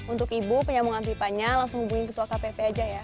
untuk ibu penyambungan pipanya langsung hubungin ketua kpp aja ya